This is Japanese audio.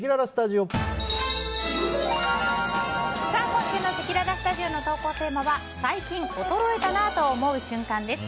今週のせきららスタジオの投稿テーマは最近衰えたなぁと思う瞬間です。